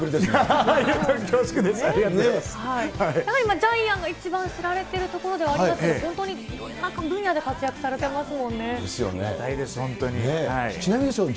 ジャイアンが一番知られているところではありますが、本当にいろんな分野で活躍されてますも本当ですよね。